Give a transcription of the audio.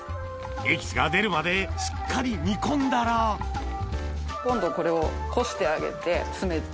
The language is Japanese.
エキスが出るまでしっかり煮込んだら今度これを漉してあげて詰めて。